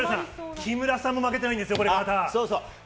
木村さんも負けていないんですよ、これがまた。